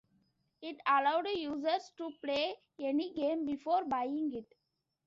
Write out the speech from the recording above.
It allowed users to play any game before buying it.